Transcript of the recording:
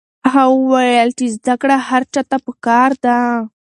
هغه وویل چې زده کړه هر چا ته پکار ده.